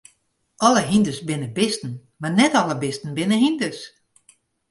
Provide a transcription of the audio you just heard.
Alle hynders binne bisten, mar net alle bisten binne hynders.